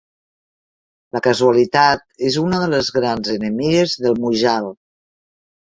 La casualitat és una de les grans enemigues del Mujal.